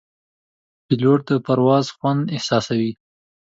پیلوټ د پرواز خوند احساسوي.